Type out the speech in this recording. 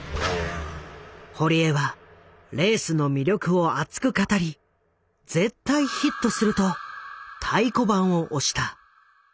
堀江はレースの魅力を熱く語りと太鼓判を押した。